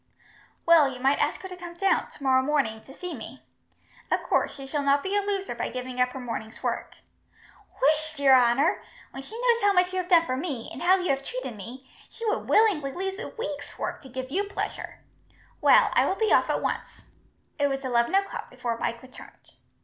"Well, you might ask her to come down, tomorrow morning, to see me. Of course, she shall not be a loser by giving up her morning's work." "Whisht, your honour! When she knows how much you have done for me, and how you have treated me, she would willingly lose a week's work to give you pleasure. Well, I will be off at once." It was eleven o'clock before Mike returned.